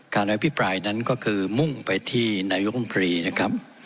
อภิปรายนั้นก็คือมุ่งไปที่นายกรรมตรีนะครับ